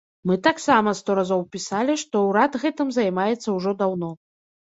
Мы таксама сто разоў пісалі, што ўрад гэтым займаецца ўжо даўно.